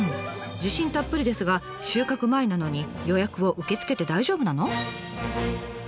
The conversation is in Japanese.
自信たっぷりですが収穫前なのに予約を受け付けて大丈夫なの？